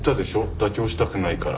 妥協したくないから。